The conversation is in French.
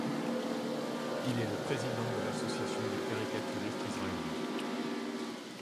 Il est le président de l'Association des caricaturistes israéliens.